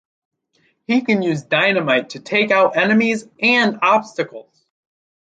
He can use dynamite to take out enemies and obstacles.